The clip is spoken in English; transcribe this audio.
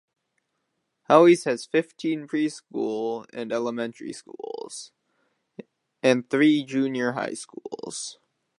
Houilles has fifteen preschool and elementary schools and three junior high schools.